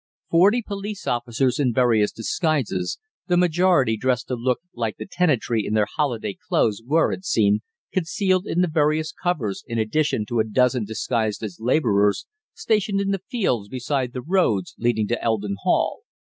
Forty police officers in various disguises, the majority dressed to look like the tenantry in their holiday clothes, were, it seemed, concealed in the various covers, in addition to a dozen disguised as labourers, stationed in fields beside the roads leading to Eldon Hall.